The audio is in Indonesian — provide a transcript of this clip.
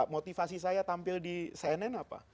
motivasi saya tampil di cnn apa